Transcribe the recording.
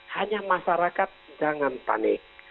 hanya masyarakat jangan panik